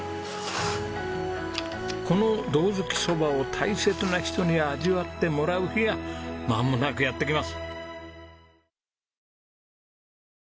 この胴搗き蕎麦を大切な人に味わってもらう日がまもなくやってきます。